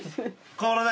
変わらない？